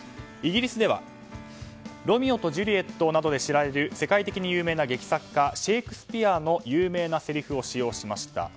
イギリスでは「ロミオとジュリエット」などで知られる世界的に有名な劇作家シェークスピアの有名なせりふを使用しました。